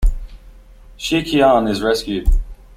Shi Qian is rescued.